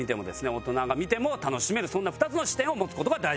大人が見ても楽しめるそんな２つの視点を持つ事が大事ですね。